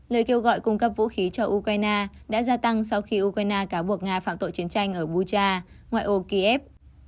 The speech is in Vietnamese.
lời kêu gọi cung cấp vũ khí cho ukraine đã gia tăng sau khi ukraine cáo buộc nga phạm tội chiến tranh ở bucha ngoài ô kiev